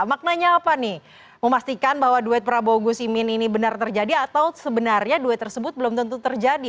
maknanya apa nih memastikan bahwa duet prabowo gus imin ini benar terjadi atau sebenarnya duet tersebut belum tentu terjadi